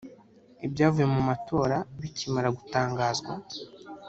Ibyavuye mu matora bikimara gutangazwa